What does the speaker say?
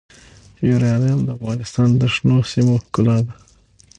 یورانیم د افغانستان د شنو سیمو ښکلا ده.